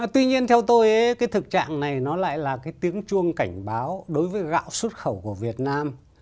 tuy nhiên theo tôi cái thực trạng này nó lại là cái tiếng chuông cảnh báo đối với gạo xuất khẩu của việt nam